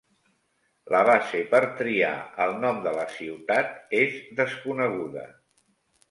La base per triar el nom de la ciutat és desconeguda.